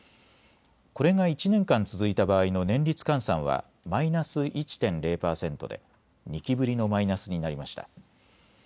これが１年間続いた場合の年率換算はマイナス１．０％で２期ぶりのマイナスになりました。